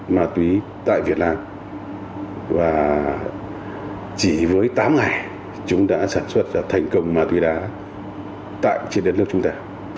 ma túy tại việt nam và chỉ với tám ngày chúng đã sản xuất ra thành công ma túy đá tại trên đất nước chúng ta